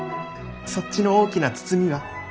そっちの大きな包みは？